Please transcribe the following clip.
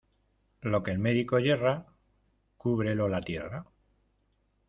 Lo que el médico yerra, cúbrelo la tierra.